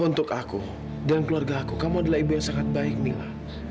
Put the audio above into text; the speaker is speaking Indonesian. untuk aku dan keluarga aku kamu adalah ibu yang sangat baik mila